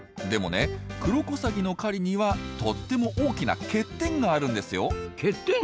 でもねクロコサギの狩りにはとっても大きな欠点があるんですよ。